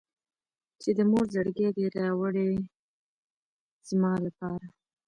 چې د مور زړګی دې راوړي زما لپاره.